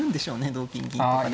同金銀とかで。